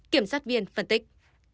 kiểm sát viên phân tích